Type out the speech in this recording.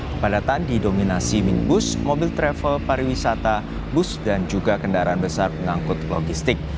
kepadatan didominasi minibus mobil travel pariwisata bus dan juga kendaraan besar pengangkut logistik